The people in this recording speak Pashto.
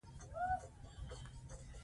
کله چې زه ورغلم هغه لیکل کول.